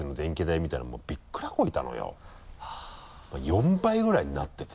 ４倍ぐらいになっててさ。